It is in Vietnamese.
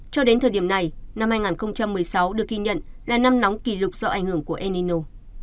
cho đến thời điểm này năm hai nghìn một mươi sáu được ghi nhận là năm nóng kỷ lục do ảnh hưởng của enino